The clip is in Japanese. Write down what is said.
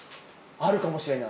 あるかもしれない。